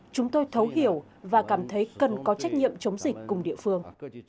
chúng tôi thấu hiểu và cảm thấy cần có trách nhiệm chống dịch cùng địa phương